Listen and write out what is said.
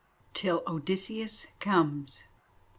"TILL ODYSSEUS COMES!"